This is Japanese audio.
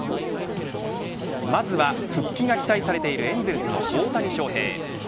まずは復帰が期待されているエンゼルスの大谷翔平。